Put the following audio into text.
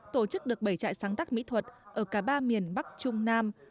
tổ chức được bảy trại sáng tác mỹ thuật ở cả ba miền bắc trung nam